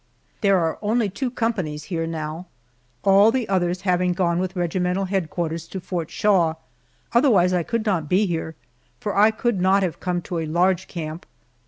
There are only two companies here now all the others having gone with regimental headquarters to Fort Shaw otherwise I could not be here, for I could not have come to a large camp.